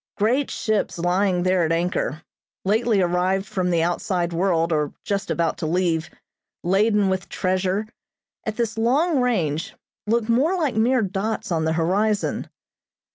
Great ships lying there at anchor, lately arrived from the outside world or just about to leave, laden with treasure, at this long range looked like mere dots on the horizon.